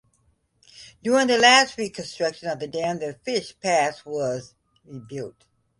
During the last reconstruction of the dam the fish pass was rebuilt.